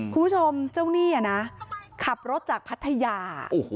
คุณผู้ชมเจ้าหนี้นะขับรถจากพัทยา